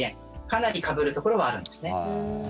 かなりかぶるところはあるんですね。